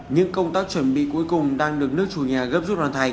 những công tác chuẩn bị cuối cùng đang được nước chủ nhà gấp rút hoàn thành